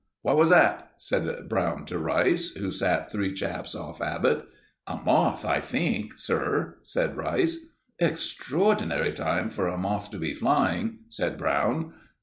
"What was that?" said Brown to Rice, who sat three chaps off Abbott. "A moth, I think, sir," said Rice. "Extraordinary time for a moth to be flying," said Brown.